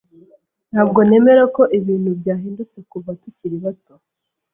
Ntabwo nemera ko ibintu byahindutse kuva tukiri bato.